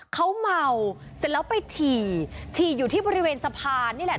เขาเมาเสร็จแล้วไปฉี่ฉี่อยู่ที่บริเวณสะพานนี่แหละ